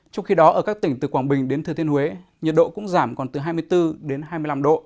trong khi đó ở các tỉnh từ quảng bình đến thừa thiên huế nhiệt độ cũng giảm còn từ hai mươi bốn đến hai mươi năm độ